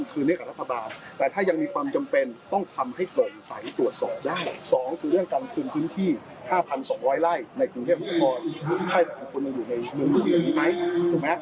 ก็ไข้แต่คนมันอยู่ในเมืองหนึ่งไหมถูกไหม